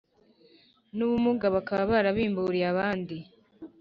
N ubumuga bakaba barabimburiye abandi